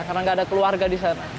karena nggak ada keluarga di sana